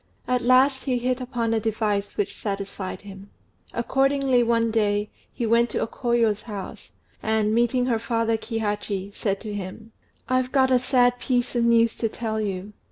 At last he hit upon a device which satisfied him. Accordingly one day he went to O Koyo's house, and, meeting her father Kihachi, said to him "I've got a sad piece of news to tell you.